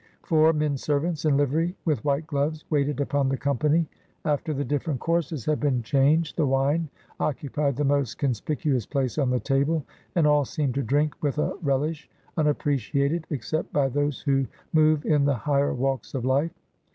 Four men servants, in livery, with white gloves, waited upon the company. After the different courses had been changed, the wine occupied the most conspicuous place on the table, and all seemed to drink with a rel ish unappreciated except by those who move in the higher walks of life.